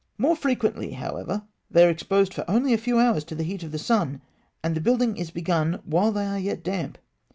More frequently, however, they are exposed for only a few hours to the heat of the sun, and the building is begun while they are yet damp.